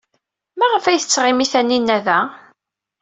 Maɣef ay tettɣimi Taninna da?